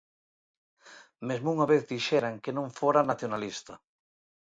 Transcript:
Mesmo unha vez dixeran que non fora nacionalista.